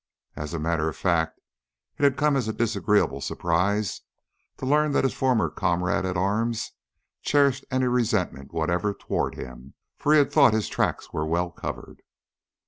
As a matter of fact, it had come as a disagreeable surprise to learn that his former comrade at arms cherished any resentment whatever toward him, for he had thought his tracks were well covered.